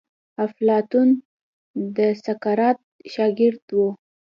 افلاطون د سقراط شاګرد وو.